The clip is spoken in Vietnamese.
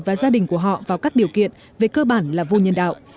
và gia đình của họ vào các điều kiện về cơ bản là vô nhân đạo